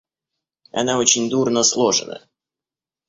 Она очень дурно сложена...